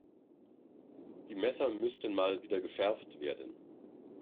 Die Messer müssten Mal wieder geschärft werden.